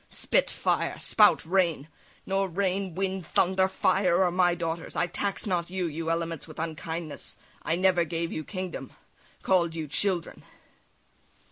spit, fire! spout, rain! Nor rain, wind, thunder, fire, are my daughters; I tax not you, you elements, with unkindness; I never gave you kingdom, call'd you children."